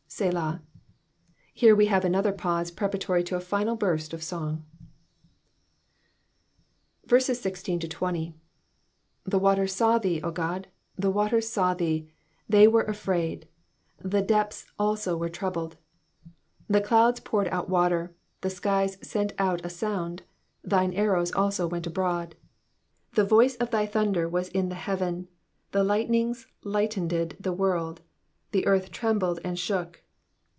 ^^JSelah,^^ Here we have another pause preparatory to a final burst of song. i6 The waters saw thee, O God, the waters saw thee ; they were afraid : the depths also were troubled. 17 The clouds poured out water : the skies sent out a sound : thine arrows also went abroad. 18 The voice of thy thunder was in the heaven : the lightnings lightened the world : the earth trembled and shook.